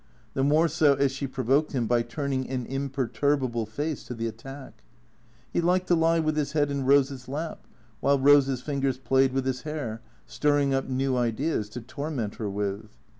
The more so as she provoked him by turning an imperturbable face to the attack. He liked to lie with his head in Eose's lap, while Eose's fingers played with his hair, stirring up new ideas to torment her with.